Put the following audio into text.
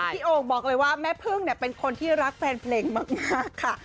โอ่งบอกเลยว่าแม่พึ่งเป็นคนที่รักแฟนเพลงมากค่ะ